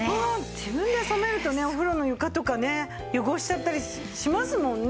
自分で染めるとねお風呂の床とかね汚しちゃったりしますもんね